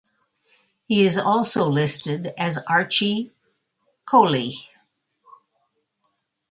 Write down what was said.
He is also listed as Archie Coley.